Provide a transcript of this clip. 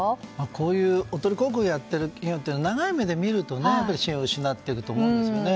こういうおとり広告をやってる企業って長い目で見ると信用を失っていると思うんですね。